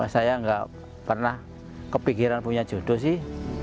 saya nggak pernah kepikiran punya jodoh sih